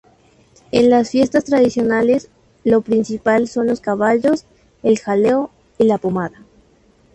En las fiestas tradicionales, lo principal son los caballos, el jaleo y la pomada.